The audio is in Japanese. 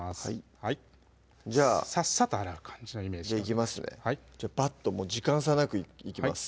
はいさっさと洗う感じのイメージでいきますねバッと時間差なくいきます